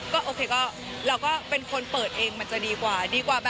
ก็โอเคก็เราก็เป็นคนเปิดเองมันจะดีกว่าดีกว่า